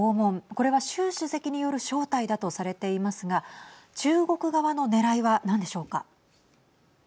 これは習主席による招待だとされていますが中国側のねらいは何でしょうか。